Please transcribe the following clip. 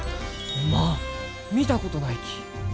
おまん見たことないき。